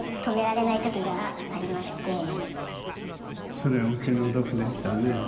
それはお気の毒でしたね。